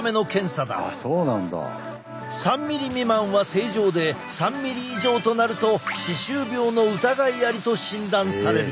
３ミリ未満は正常で３ミリ以上となると歯周病の疑いありと診断される。